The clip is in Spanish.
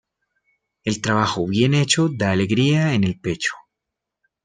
El trabajo bien hecho da alegría en el pecho.